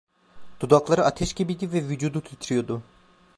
Dudakları ateş gibiydi ve vücudu titriyordu.